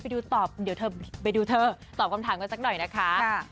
ดูตอบเดี๋ยวเธอไปดูเธอตอบคำถามกันสักหน่อยนะคะ